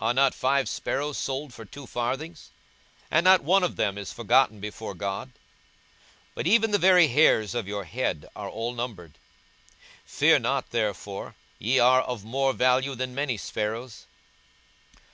42:012:006 Are not five sparrows sold for two farthings, and not one of them is forgotten before God? 42:012:007 But even the very hairs of your head are all numbered. Fear not therefore: ye are of more value than many sparrows.